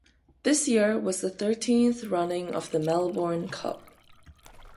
This year was the thirteenth running of the Melbourne Cup.